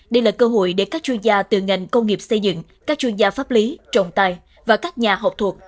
đây là cơ hội để các chuyên gia từ ngành công nghiệp xây dựng các chuyên gia pháp lý trọng tài và các nhà học thuộc